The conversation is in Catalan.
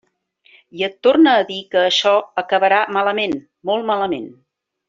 I et torne a dir que açò acabarà malament, molt malament.